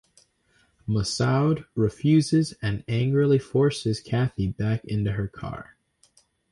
Massoud refuses and angrily forces Kathy back into her car.